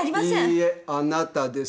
いいえあなたです。